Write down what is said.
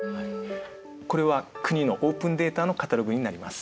これは国のオープンデータのカタログになります。